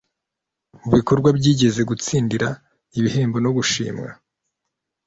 Mubikorwa byigeze gutsindira ibihembo no gushimwa